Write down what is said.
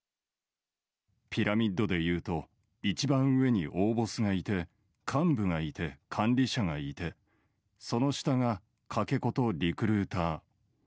ピラミッドでいうと、一番上に大ボスがいて、幹部がいて、管理者がいて、その下がかけ子とリクルーター。